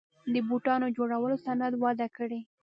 د بوټانو جوړولو صنعت وده کړې